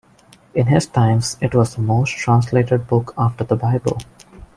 In his times, it was the most translated book after the Bible.